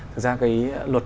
thực ra cái luật